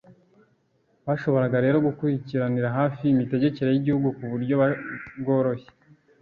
Bashoboraga rero gukurikiranira hafi imitegekere y’igihugu ku buryo bworoshye